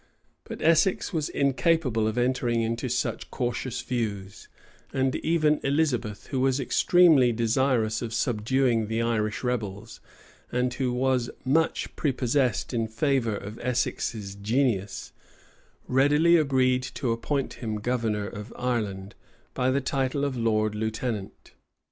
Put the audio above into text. But Essex was incapable of entering into such cautious views; and even Elizabeth, who was extremely desirous of subduing the Irish rebels, and who was much prepossessed in favor of Essex's genius, readily agreed to appoint him governor of Ireland, by the title of lord lieutenant.